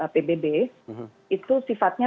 pbb itu sifatnya